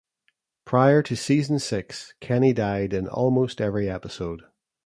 Prior to season six, Kenny died in almost every episode.